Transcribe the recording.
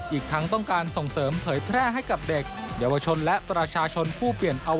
อีกทั้งต้องการส่งเสริมเผยแพร่ให้กับเด็กเยาวชนและประชาชนผู้เปลี่ยนเอา